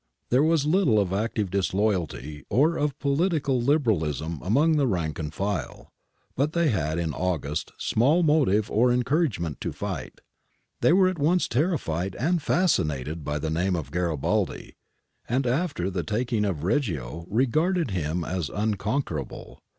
There was little of active disloyalty or of political Lib erahsm among the rank and file. But they had in August small motive or encouragement to fight. They were at once terrified and fascinated by the name of Garibaldi, and after the taking of Reggio regarded him as uncon querable.